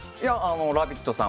「ラヴィット！」さん